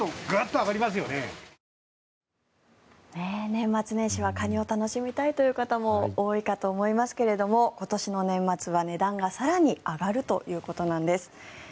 年末年始はカニを楽しみたいという方も多いかと思いますけれども今年の年末は値段が更に上がるということなんです。